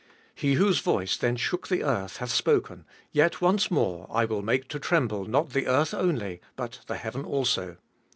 He whose voice then shook the earth, hath spoken, Yet once more, I will make to tremble not the earth only, but the heaven also.